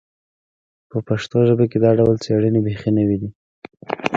په پښتو ژبه کې دا ډول څېړنې بیخي نوې دي